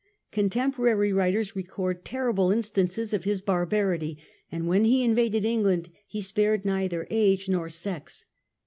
Contemporary writers record terrible instances of his barbarity, and when he invaded England he spared neither age nor sex.